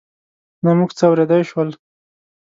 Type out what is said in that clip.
نه موږ څه اورېدای شول.